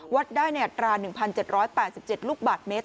วัดได้ในอัตรา๑๗๘๗ลูกบาทเมตร